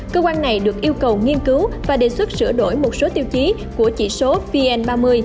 cơ quan này được yêu cầu nghiên cứu và đề xuất sửa đổi một số tiêu chí của chỉ số vn ba mươi